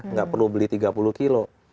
nggak perlu beli tiga puluh kilo